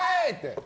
って。